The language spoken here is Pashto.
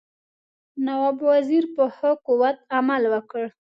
نواب وزیر په ښه قوت عمل وکړ.